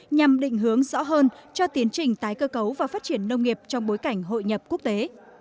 nhằm định hướng rõ hơn cho tiến trình tái cơ cấu và phát triển nông nghiệp trong bối cảnh hội nhập quốc tế